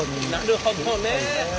なるほどね。